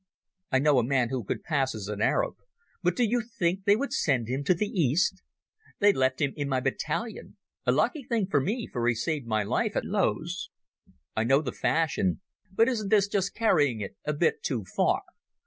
I know a man who could pass as an Arab, but do you think they would send him to the East? They left him in my battalion—a lucky thing for me, for he saved my life at Loos. I know the fashion, but isn't this just carrying it a bit too far?